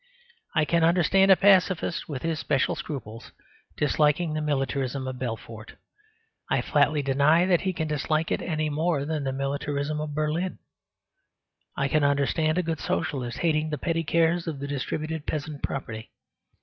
I can understand a Pacifist, with his special scruples, disliking the militarism of Belfort. I flatly deny that he can dislike it more than the militarism of Berlin. I can understand a good Socialist hating the petty cares of the distributed peasant property.